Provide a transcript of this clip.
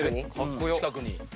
近くに？